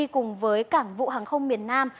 cùng với cảng vụ hàng không miền nam